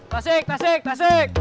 tasik tasik tasik